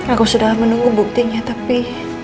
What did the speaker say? aku sudah menunggu buktinya tapi